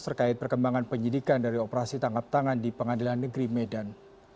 terkait perkembangan penyidikan dari operasi tangkap tangan di pengadilan negeri medan